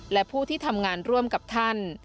และผู้ที่ทำงานร่วมกับท่าน